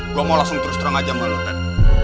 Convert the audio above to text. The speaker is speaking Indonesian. gua mau langsung terus terang aja sama lu ted